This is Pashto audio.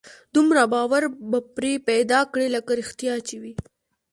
دومره باور به پرې پيدا کړي لکه رښتيا چې وي.